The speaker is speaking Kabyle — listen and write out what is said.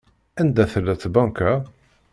Anda tella tbanka?